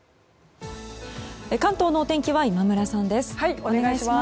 関東のお天気は今村さんです。